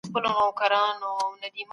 پاينده محمد زهير نورمحمد خان نوري